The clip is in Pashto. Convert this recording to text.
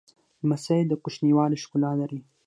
لمسی د کوچنیوالي ښکلا لري.